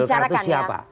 itu dibicarakan ya